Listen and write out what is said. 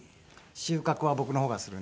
収穫は僕の方がするんですけど。